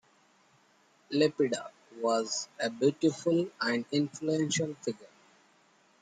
Lepida was a beautiful and influential figure.